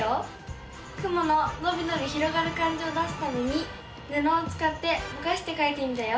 雲ののびのび広がる感じを出すためにぬのをつかってぼかしてかいてみたよ。